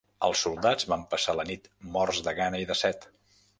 Els soldats van passar la nit morts de gana i de set.